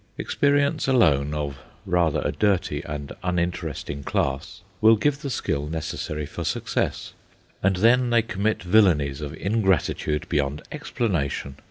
Experience alone, of rather a dirty and uninteresting class, will give the skill necessary for success. And then they commit villanies of ingratitude beyond explanation.